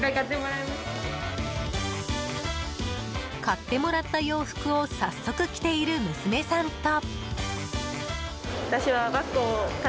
買ってもらった洋服を早速、着ている娘さんと。